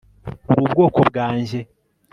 uri ubwoko bwanjye